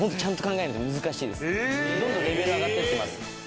どんどんレベル上がってってます。